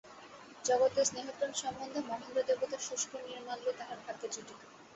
জগতের স্নেহপ্রেম সম্বন্ধে মহেন্দ্র-দেবতার শুষ্ক নির্মাল্যই তাহার ভাগ্যে জুটিত।